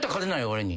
俺に。